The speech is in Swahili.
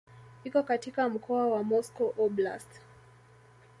Iko katika mkoa wa Moscow Oblast.